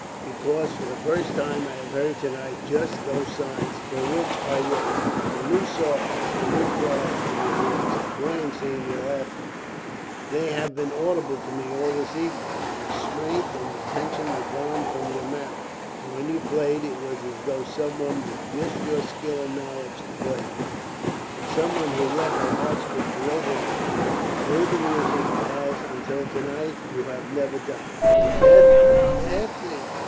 Because for the first time I have heard to night just those signs for which I waited. The new softness, the new pride, in your voice, the buoyancy in your laughter they have been audible to me all this evening. The restraint and the tension were gone from your manner. And when you played, it was as though some one with just your skill and knowledge played, but some one who let her heart speak resonantly through the music as until to night you have never done. Ethne, Ethne!"